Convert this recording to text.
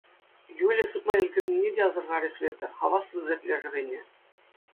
Юля сыпма ӗлкӗрнине те асӑрхарӗ Света, хаваслӑ тытать лешӗ хӑйне.